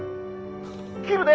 切るで！